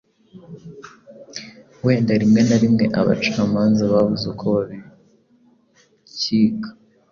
wenda rimwe na rimwe abacamanza babuze uko babikika,